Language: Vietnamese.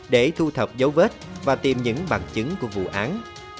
để thu thập dấu vết và tìm những bằng chứng của vụ án